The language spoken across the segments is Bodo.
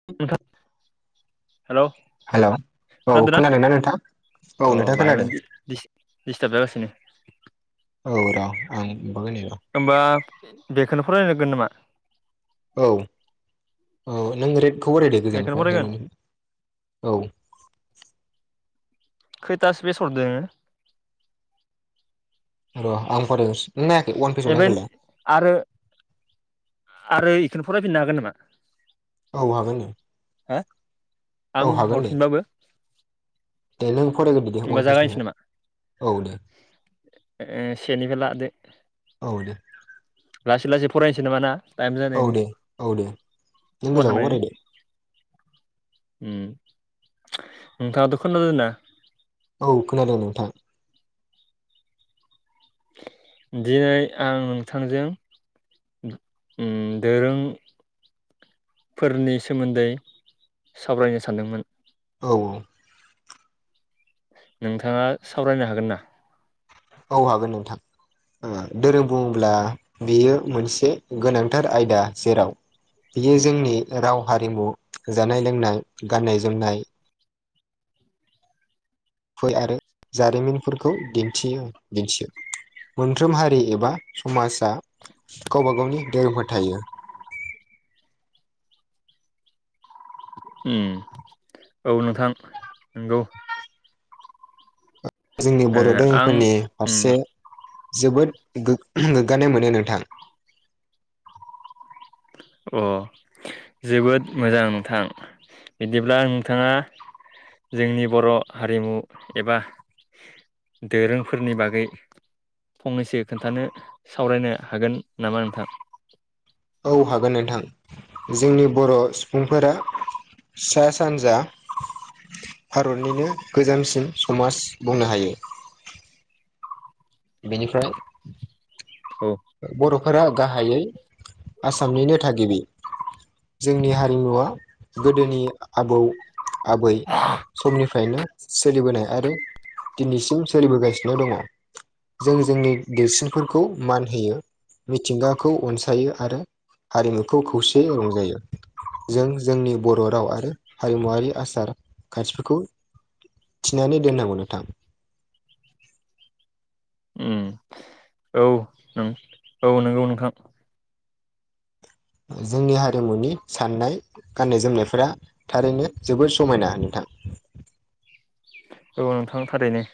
[unintelligible] हेल' हेल' औ खोनादोंना नोंथां औ अ नोंथां बाहाय म खोनादों दिडिस्टार्ब जागासिनो औ र' आंब ना होमबा बेखौनो फरायनोगोन नामा औ औ नों रेटखौ बरायदो बेखौनो गोजाननिफ्राय फरायगोन हेल'निफ्राय औ खैथासो बेसर दोङो र आं फरायस नों नायाखै फन ए आरो आरो बेखौनो फरायफिननो हागोन नामा औ हागोन दे हा औ आं हागोन दे हरफिनबाबो दे नों फरायगोन दे दे होमबा अन जागायनोसै फिसनिफ्राय नामा औ दे सेनिबो लादो औ दे लासै लासै फरायनोसै नामा ना टाइम औ जानायनि दे औ दे नों गोजाखौ समायखांनायनि फरायदो नोंथाङाथ' खोना जादों ना औ खोनादों नोंथां दिनै आं नोंथांजों दोरों फोरनि सोमोन्दै सावरायनो सानदोंमोन। औ औ। नोंथाङा सावरायनो हागोन ना औ हागोन नोंथां धोरोम बुङोब्ला बेयो मोनसे गोनांथार आयदा जेराव बियो जोंनि राव हारिमु जानाय लोंनाय गाननाय जोमनाय फै आरो जारिमिनफोरखौ दिन्थियो दिन्थियो मोनफ्रोम हारि एबा समाजा गावबा गावनि धोरोम फोर थायो। औ नोंथां नंगौ। जोंनि ओ बर' आं दोरफोरनि उम फारसे जोबोद गोग्गानाय मोनो नोंथां। अ जोबोद मोजां नोंथां बिदिब्ला नोंथाङा जोंनि बर' हारिमु एबा दोरोंफोरनि बागै फंनैसो खोन्थानो सावरायनो हागोन नामा नोंथां? औ हागोन नोंथां जोंनि बर' सुबुंफोरा सा सानजा भारतनिनो गोजामसिन समाज बुंनो हायो। बेनिफ्राय औ। बर'फोरा गाहायै आसामनिनो थागिबि जोंनि हारिमुवा गोदोनि आबौ आबै समनिफ्रायनो सोलिबोनाय आरो दिनैसिम सोलिबोगासिनो दङ। जों जोंनि देरसिनफोरखौ मान होयो मिथिंगाखौ अनसायो आरो हारिमुखौ खौसेै रंजायो। जों जोंनि बर' राव आरो हारिमुवारि आसार खान्थिफोरखौ थिनानै दोननांगौ नथां। उम औ नों औ नंगौ नोंथां। जोंनि हारिमुनि साननाय गाननाय जोमनायफोरा थारैनो जोबोर समायना नोंथां। औबाव नोंथां थारैनो।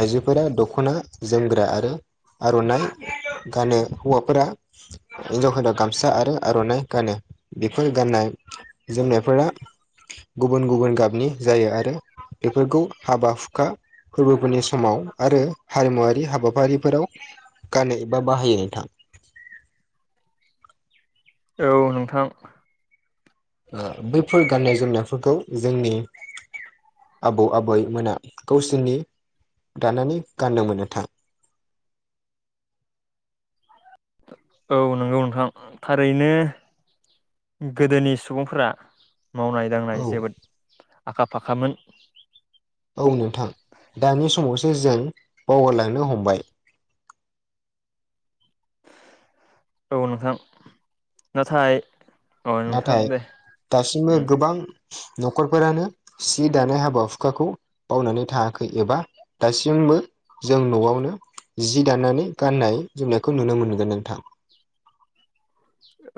आइजोफोरा दख'ना जोमग्रा आरो आर'नाइ गानो हौवाफोरा हिन्जाव हिनाव गामसा आरो आर'नाइ गानो, बेफोर गाननाय जोमनायफोरा गुबुन गुबुन गाबनि जायो आरो बेफोरखौ हाबा हुखा गुबुननि समाव आरो हारिमुवारि हाबाफारिफोराव गानो एबा बाहाय न थां औ नोंथां। बैफोर गान्नाय जोमनायफोरखौ जोंनि आबौ आबैमोना गावसोरनि दानानै गाननो मोनो था औ नंगौ नोंथां थारैनो। गोदोनि सुबुंफोरा मावनाय दांनाय औ जोबोद आखा फाखामोन औ नोंथां दानि समावसो जों बावगारलांनो हमबाय। औ नोंथां, नाथाय अ नोंथां नाथाय दे दासिमबो उम गोबां न'खरफोरानो सि दानाय हाबा हुखाखौ बावनानै थायाखै एबा दासिमबो जों न'आवनो जि दानानै गाननाय जोमनायखौ नुनो मोनगोन नोंथां।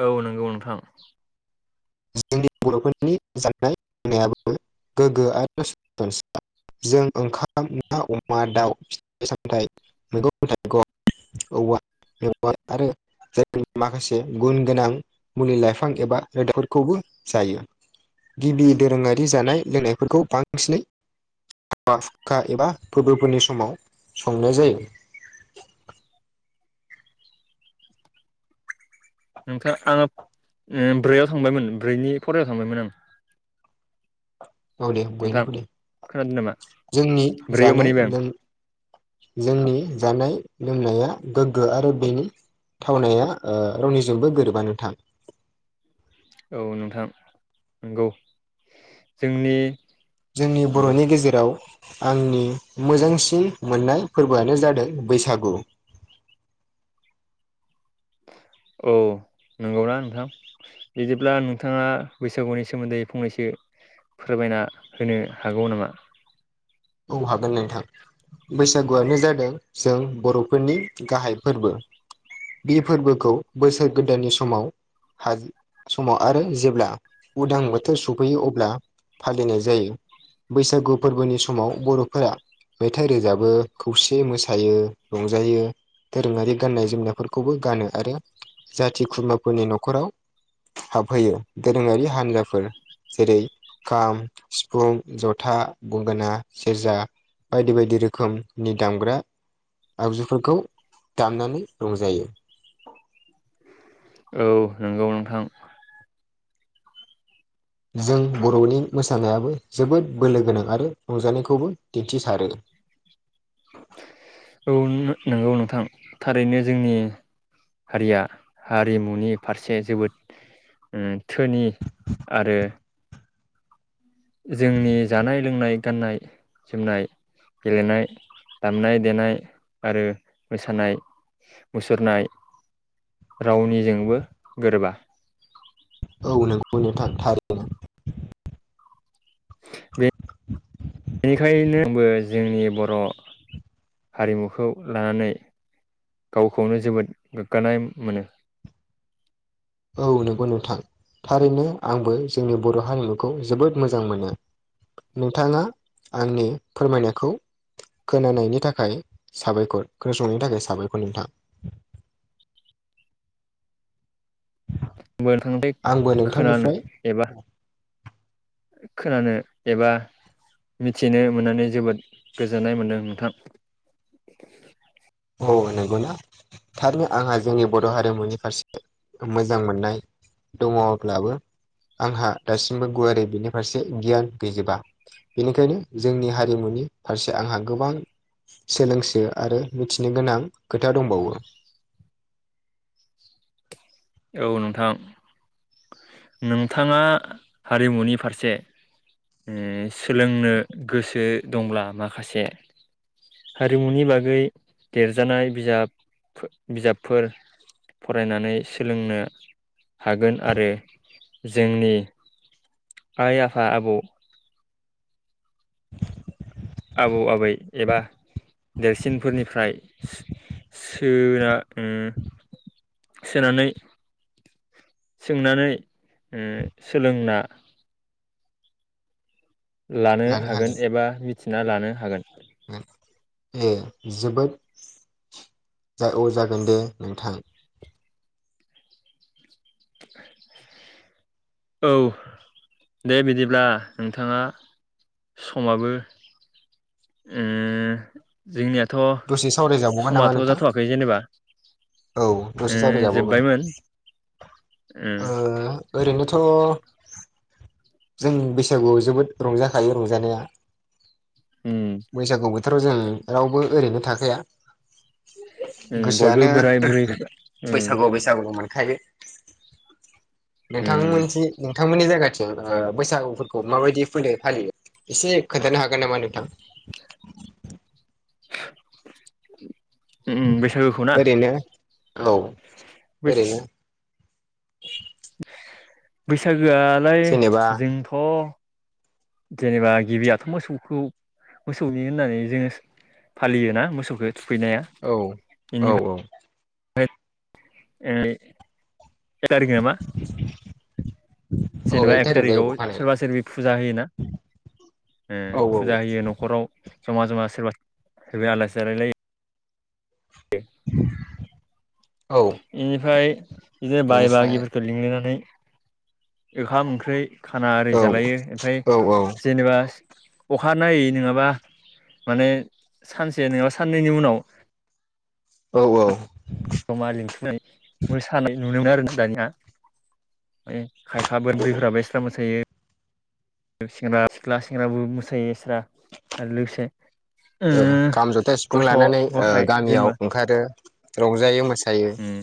औ नंगौ नोंथां। जोंनि बर'फोरनि जानाय लोंनायाबो गोग्गो आरो [unintelligible] जों ओंखाम ना अमा दाउ फिथ [unintelligible] सामथाय मैगं थाइगं औवा मेवाय आरो जाय माखासे गुन गोनां मुलि लाइफां एबा रोदा खौबो जायो, गिबि दोरोङारि जानाय लोंनायफोरखौ बांसिनै हाखा फुाखा एबा फोरबोफोरनि समाव संनाय जायो। नोंथाङा आङो ब्रैयाव थांबायमोन ब्रैनि फरायाव थांबायमोन आं। औ दे आं नोंथां बयनिखौ दे, खोनादों नामा जोंनि ब्रैयाव जानाय मोनहैबाय लों जोंनि जानाय लोंनाया गोग्गो आरो बेनि थावनाया रावनिजोंबो गोरोबा नोथां। औ नोंथां नंगौ जोंनि जोंनि उम बर'नि गेजेराव आंनि मोजांसिन मोननाय फोरबोआनो जादों बैसागु। औ नंगौना नोंथां? बिदिब्ला नोंथाङा बैसागुनि सोमोन्दै फंनैसो फोरमायना होनो हागौ नामा? औ हागोन नोंथां। बैसागुआनो जादों जों बर'फोरनि गाहाय फोरबो। बे फोरबोखौ बोसोर गोदाननि समाव हा समाव आरो जेब्ला उदां बोथोर सफैयो अब्ला फालिनाय जायो बैसागु फोरबोनि समाव बर'फोरा मेथाइ रोजाबो खौसेयै मोसायो रंजायो। दोरोङारि गाननाय जोमनायफोरखौबो गानो आरो जाथि खुरमाफोरनि न'खराव हाबहैयो दोरोङारि हान्जाफोर जेरै खाम सिफुं जथा गंगोना सेरजा बायदि बायदि रोखोमनि दामग्रा आगजुफोरखौ दामनानै रंजायो। औ नंगौ नोंथां। जों बर'नि मोसानायाबो जोबोद बोलो गोनां आरो रंजानायखौबो दिन्थिसारो। औ नंगौ नोंथां थारैनो जोंनि हारिया हारिमुनि फारसे जोबोद धोनि आरो जोंनि जानाय लोंनाय गाननाय जोमनाय गेलेनाय दामनाय देनाय आरो मोसानाय मुसुरनाय रावनिजोंबो गोरोबा। [unintelligible] थार [unintelligible] बेनिखायनो आंबो जोंनि बर' हारिमुखौ लानानै गावखौनो जोबोद गोग्गानाय मोनो‌। औ नंगौ नोंथां थारैनो आंबो जोंनि बर' हारिमुखौ जोबोद मोजां मोनो। नोंथाङा आंनि फोरमायनायखौ खोनानायनि थाखाय साबायखर खोनासंनायनि थाखाय साबायखर नोंथां। आंबो नोथां आंबो [unintelligible] खोनानो नोंथांनिफ्राय एबा खोनानो एबा मिथिनो मोननानै जोबोद गोजोननाय मोन्दों नोंथां। औ नंगौना थारनो आंहा जोंनि बर' हारिमुनि फारसे मोजां मोननाय दङब्लाबो आंहा दासिमबो गुवारै बेनि फारसे गियान गैजोबा। बेनिखायनो जोंनि हारिमुनि फारसे आंहा गोबां सोलोंसो आरो मिथिनो गोनां खोथा दंबावो। औ नोंथां नोंथांङा हारिमुनि फारसे सोलोंनो गोसो दंब्ला माखासे हारिमुनि बागै देरजानाय बिजाब बिजाबफोर फरायनानै सोलोंनो हागोन आरो जोंनि आइ आफा आब' [inaudible] आबौ आबै एबा देरसिनफोरनिफ्राय सोना सोनानै सोंनानै सोलोंना लानो हागोन एबा मिथिना लानो हागोन। ओम जोबोद जा औ जागोन दे नोंथां [inaudible] औ दे बिदिब्ला नोंथांङा समाबो उम दसे जोंनियाथ' सावरायजाबावगोन नामा समथ' नोंथां जाथ'वाखै जेनेबा औ दसे ओ सावरायजाबावगोन जोबबायमोन ओ ओरैनोथ' जों बैसागुआव जोबोद रंजाखायो रंजानाया उम बैसागु बोथोराव जों रावबो ओरैनो थाखाया बयबो बोराय बुरै उम बैसागुआव बैसागुबो मोनखायो नोंथां उम मोनसे नोंथांमोननि जायगाथिं बैसागुफोरखौ माबायदि फोरबो फालियो एसे खोनथानो हागोन नामा नोंथां ओम बैसागोखौना ओरैनो औ ओरैनो बैसागोआलाय जेनेबा जोंथ' जेनेबा गिबियाथ' मोसौखौ मोसौनि होननानै जोंङो फालियोना मोसौखो थुखैनाया औ औ बेनिफ्राय औ [inaudible] औ जेनेबा एक थारिख जायो थारिकआव अखानायै सोरबा सोरबि फुजा होयोना। ओम औ औ फुजा होयो न'खराव जमा जमा सोरबायो आलासि जालायलायो। [inaudible] औ बेनिफ्राय बिदिनो बाय बेनिफ्राय बागिफोरखौ लिंलायनानै ओंखाम ओंख्रि खाना आरि औ जालायो ओमफ्राय औ औ जेनेबा अखा नायै नोंङाबा माने सानसे नंङाबा साननैनि उनाव औ औ जमा लिंथुनाय मोसानाय नुनो मोनो आरोना दानिया खायफा बोराय बुरेफोराबो एसट्रा मोसायो सेंग्रा सिख्ला सेंग्राबो मोसायोस्रा आरो लोगोसे ओ खाम जथा सिफुं गथ' लानानै ओ गथाय गामियाव जेनेबा ओंखारो रंजायो मोसायो उम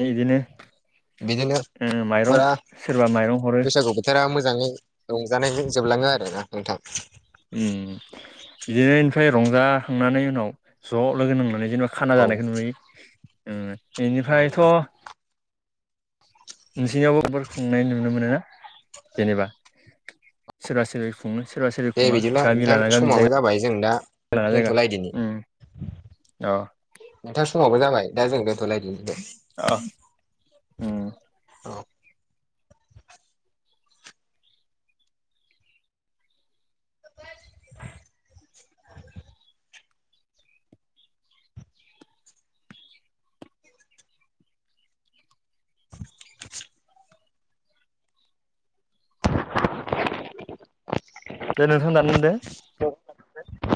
बिदिनो माइरं फुरा सोरबा माइरं हरो बैसागु बोथोरा मोजांङै रंजानायजों जोबलांङो आरोना नोंथां ओम बिदिनो निफ्राय रंजाखांनानै उनाव ज' लोगो नांनानै जेनेबा औ खाना जानायखौ नुयो औ बेनिफ्रायथ' नोंसोरनियावबो बिबार खुंनाय नुनो मोनो ना जेनेबा सोरबा सोर खुंङो सोरबा सोर दे खुंङा बिदिब्ला गामि नोंथां लाना गामि समाबो जायगा जाबाय जों दा लाना जायगा दोनथ'लाायदिनि उम अ नोंथां समावबो जाबाय दा जों गोथ'लायदिनो अ उम खब दे नोंथां दाननो दे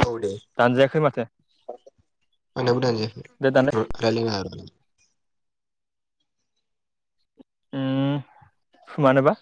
औ दे दानजायाखै माथो थाबायना थायाखै दे दानो [unintelligible] ओम मानोबा